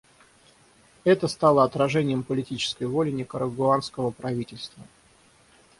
Это стало отражением политической воли никарагуанского правительства.